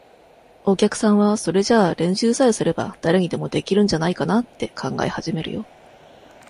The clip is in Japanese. お客さんは、それじゃあ練習さえすれば、誰にでも出来るんじゃないかなっ、て考え始めるよ。